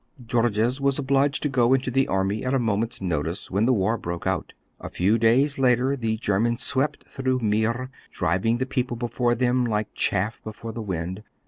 Georges was obliged to go into the army at a moment's notice when the war broke out. A few days later the Germans swept through Meer, driving the people before them like chaff before the wind.